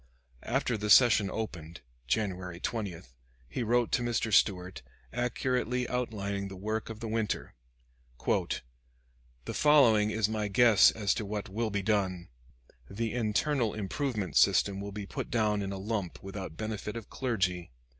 After the session opened, January 20, he wrote to Mr. Stuart, accurately outlining the work of the winter: "The following is my guess as to what will be done. The Internal Improvement System will be put down in a lump without benefit of clergy.